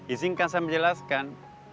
izinkan saya menjelaskan